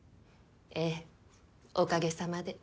ええおかげさまで。